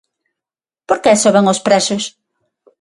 Por que soben os prezos?